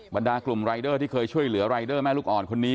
บรรดากลุ่มรายเดอร์ที่เคยช่วยเหลือรายเดอร์แม่ลูกอ่อนคนนี้